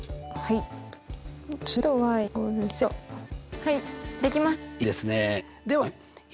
はい。